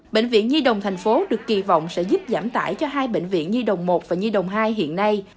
bệnh viện nhi đồng tp hcm được kỳ vọng sẽ giúp giảm tải cho hai bệnh viện nhi đồng một và nhi đồng hai hiện nay